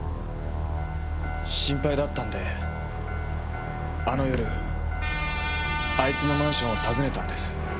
心配だったんであの夜あいつのマンションを訪ねたんです。